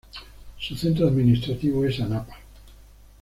Su centro administrativo es Anapa.